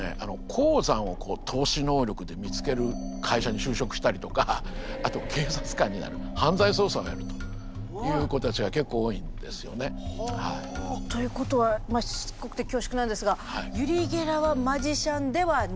鉱山を透視能力で見つける会社に就職したりとかあと警察官になる犯罪捜査をやるという子たちは結構多いんですよね。ということはしつこくて恐縮なんですがユリ・ゲラーはマジシャンではない？